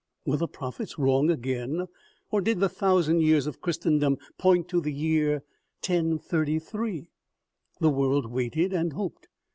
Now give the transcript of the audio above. Were the prophets wrong again, or did the thousand years of Christendom point to the year 1033 ? The world waited and hoped.